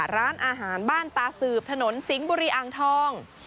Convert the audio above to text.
ร้านอาหารบ้านตาสืบถนนสิงห์บุรีอ่างทอง